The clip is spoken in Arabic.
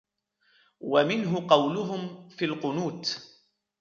وَمِنْهُ قَوْلُهُمْ فِي الْقُنُوتِ